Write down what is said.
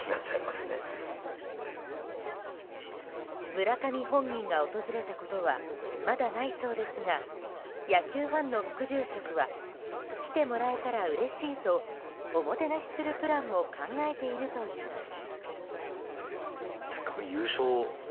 村上本人が訪れたことはまだないそうですが野球ファンの副住職は来てもらえたらうれしいとおもてなしするプランも考えているといいます。